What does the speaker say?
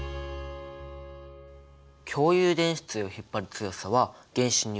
共有電子対を引っ張る強さは原子によって違う。